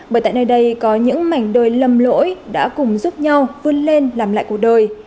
bởi tại nơi đây có những mảnh đời lầm lỗi đã cùng giúp nhau vươn lên làm lại cuộc đời